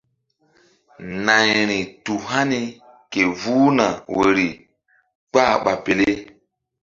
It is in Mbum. Nayri tu hani ke vuh na woyri kpah ɓa pele.